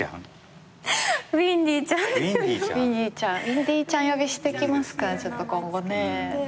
ウィンディちゃん呼びしてきますか今後ね。